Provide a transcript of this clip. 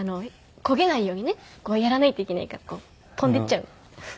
焦げないようにねやらないといけないから飛んでいっちゃう。